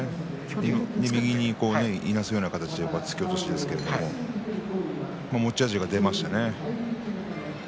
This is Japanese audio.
右にいなすような形での突き落としですけれども持ち味が出ましたね。